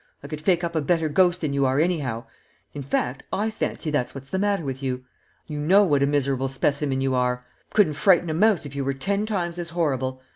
I could fake up a better ghost than you are anyhow in fact, I fancy that's what's the matter with you. You know what a miserable specimen you are couldn't frighten a mouse if you were ten times as horrible.